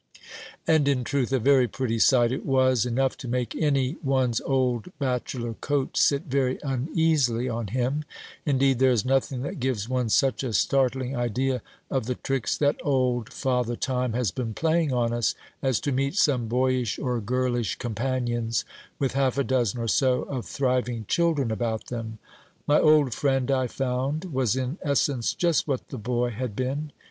And, in truth, a very pretty sight it was enough to make any one's old bachelor coat sit very uneasily on him. Indeed, there is nothing that gives one such a startling idea of the tricks that old Father Time has been playing on us, as to meet some boyish or girlish companions with half a dozen or so of thriving children about them. My old friend, I found, was in essence just what the boy had been.